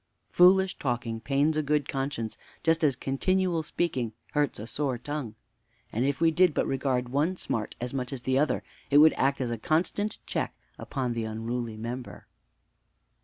Foolish talking pains a good conscience, just as continual speaking hurts a sore tongue; and if we did but regard one smart as much as the other, it would act as a constant check upon the unruly member."